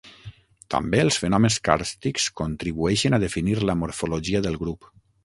També els fenòmens càrstics contribueixen a definir la morfologia del grup.